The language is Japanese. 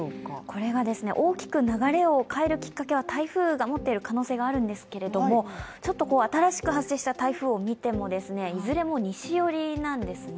これが大きく流れを変えるきっかけは台風が持っている可能性があるんですけどもちょっと新しく発生した台風を見てもいずれも西寄りなんですね。